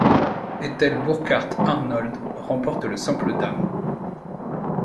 Ethel Burkhardt Arnold remporte le simple dames.